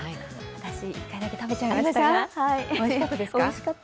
私、１回だけ食べちゃいました。